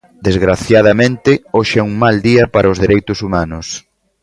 Desgraciadamente, hoxe é un mal día para os dereitos humanos.